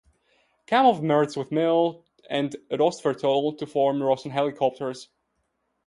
Kamov merged with Mil and Rostvertol to form Russian Helicopters.